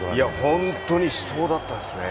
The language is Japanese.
本当に死闘だったですね。